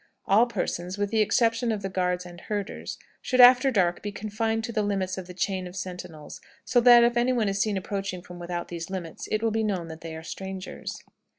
All persons, with the exception of the guards and herders, should after dark be confined to the limits of the chain of sentinels, so that, if any one is seen approaching from without these limits, it will be known that they are strangers.